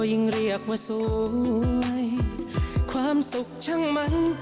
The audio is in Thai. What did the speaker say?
ที่กรอบว่าเราต้องเป็น